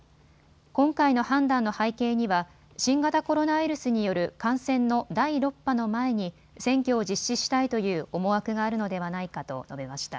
今回の判断の背景には新型コロナウイルスによる感染の第６波の前に選挙を実施したいという思惑があるのではないかと述べました。